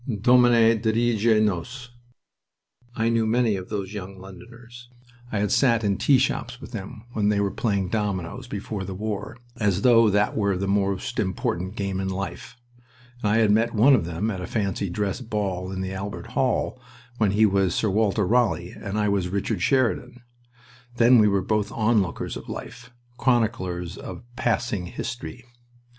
"Domine, dirige nos!" I knew many of those young Londoners. I had sat in tea shops with them when they were playing dominoes, before the war, as though that were the most important game in life. I had met one of them at a fancy dress ball in the Albert Hall, when he was Sir Walter Raleigh and I was Richard Sheridan. Then we were both onlookers of life chroniclers of passing history.